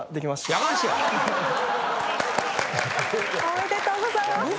おめでとうございます。